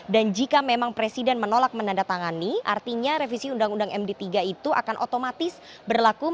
dan jika memang presiden menolak menandatangani artinya revisi undang undang md tiga itu akan otomatis berlaku